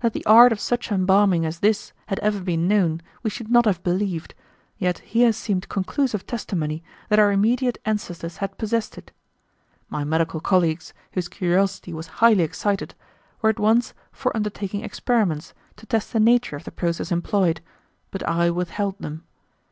That the art of such embalming as this had ever been known we should not have believed, yet here seemed conclusive testimony that our immediate ancestors had possessed it. My medical colleagues, whose curiosity was highly excited, were at once for undertaking experiments to test the nature of the process employed, but I withheld them.